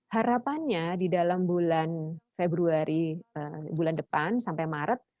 harapannya di dalam bulan februari bulan depan sampai maret